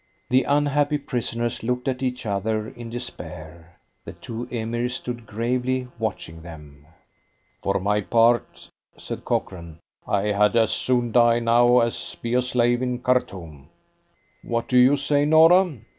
The unhappy prisoners looked at each other in despair. The two Emirs stood gravely watching them. "For my part," said Cochrane, "I had as soon die now as be a slave in Khartoum." "What do you say, Norah?"